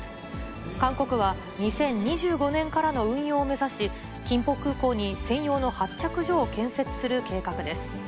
韓国は、２０２５年からの運用を目指し、キンポ空港に専門の発着所を建設する計画です。